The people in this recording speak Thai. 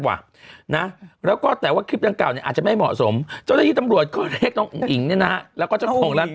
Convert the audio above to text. วะนะแล้วก็แต่ว่าคลิปยังกล่าจะไม่เหมาะสมเฉียงนี้นะแล้วก็อยู่